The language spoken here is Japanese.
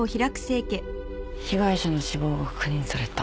被害者の死亡が確認された。